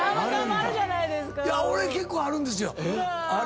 俺結構あるんですよ。